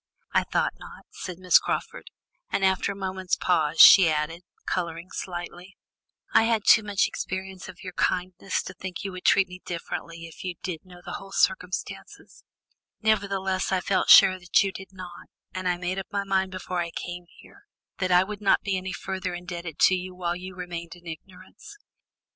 "I thought not," said Miss Crawford, and after a moment's pause she added, colouring slightly: "I have had too much experience of your kindness to think that you would treat me differently if you did know the whole circumstances; nevertheless, I felt sure that you did not, and I made up my mind before I came here, that I would not be any further indebted to you while you remained in ignorance.